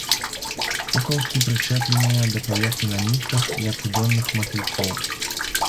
Кукалкі прычэпленыя да паверхні на нітках, як у дзённых матылькоў.